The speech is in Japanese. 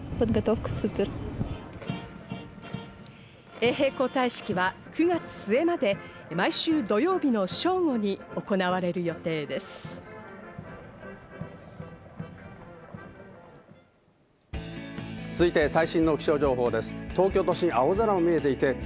衛兵交代式は９月末まで毎週土曜日の正午に行われる予定です。